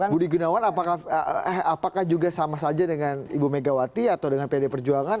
budi gunawan apakah juga sama saja dengan ibu megawati atau dengan pd perjuangan